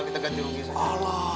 kita ganti rugi saja